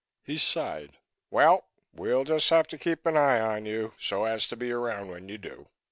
He sighed. "Well, we'll just have to keep an eye on you so as to be around when you do.